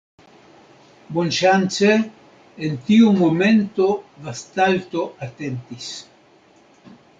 Bonŝance, en tiu momento Vastalto atentis.